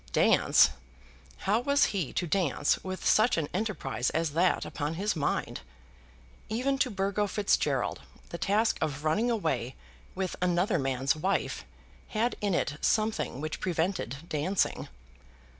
Dance! How was he to dance with such an enterprise as that upon his mind? Even to Burgo Fitzgerald the task of running away with another man's wife had in it something which prevented dancing.